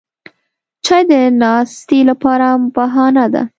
چای د ناستې لپاره بهانه ده